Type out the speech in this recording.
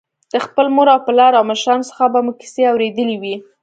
له خپل مور او پلار او مشرانو څخه به مو کیسې اورېدلې وي.